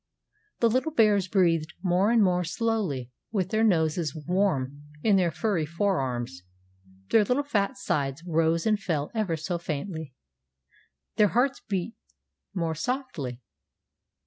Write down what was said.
The little bears breathed more and more slowly, with their noses warm in their furry fore arms. Their little fat sides rose and fell ever so faintly. Their hearts beat more softly.